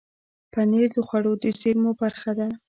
پنېر د خوړو د زېرمو برخه ده.